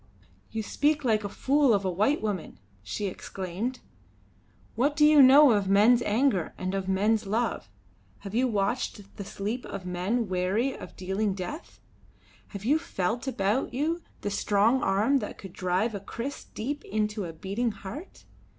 "You speak like a fool of a white woman," she exclaimed. "What do you know of men's anger and of men's love? Have you watched the sleep of men weary of dealing death? Have you felt about you the strong arm that could drive a kriss deep into a beating heart?